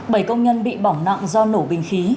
bảy công nhân bị bỏng nặng do nổ bình khí